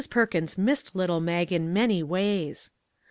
Perkins missed little Mag in many ways.